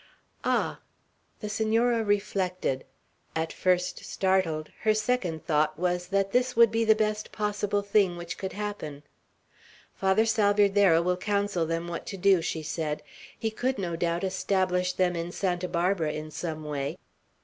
"Ah!" The Senora reflected. At first startled, her second thought was that this would be the best possible thing which could happen. "Father Salvierderra will counsel them what to do," she said. "He could no doubt establish them in Santa Barbara in some way.